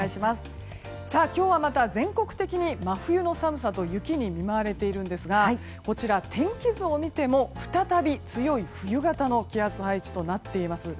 今日はまた全国的に真冬の寒さと雪に見舞われているんですが天気図を見ても再び強い冬型の気圧配置となっています。